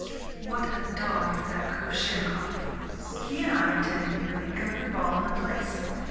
What a dog is that Kuvshinnikov! He and I attended nearly every ball in the place.